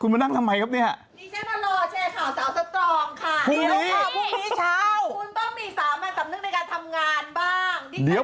ขึ้นมานนั่งทำไมครับเนี่ยแปลงแล้วเจ๋งนี่ฟัง